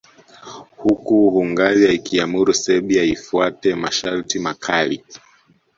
Huku Hungaria ikiamuru Serbia ifuate masharti makali